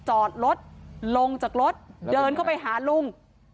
จอดรถลงจากรถเดินเข้าไปหาลุง